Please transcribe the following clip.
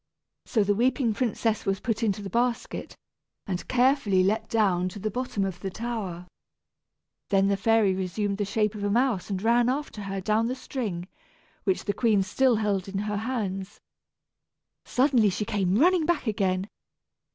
So the weeping princess was put into the basket, and carefully let down to the bottom of the tower. Then the fairy resumed the shape of a mouse and ran after her down the string, which the queen still held in her hands. Suddenly she came running back again.